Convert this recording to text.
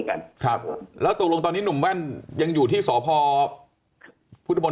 ก็คือให้กลับบ้านไปแล้วหรือว่ายังไงครับหรือว่า